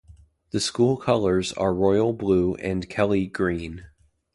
The school colors are Royal Blue and Kelly Green.